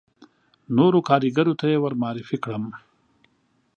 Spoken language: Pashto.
نورو کاریګرو ته یې ور معرفي کړم.